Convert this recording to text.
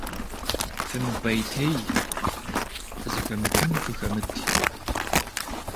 ФымыпӀейтей, фызыхэмытын фыхэмыт.